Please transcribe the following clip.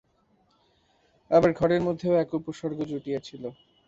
আবার ঘরের মধ্যেও এক উপসর্গ জুটিয়াছিল।